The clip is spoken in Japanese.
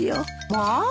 まあ。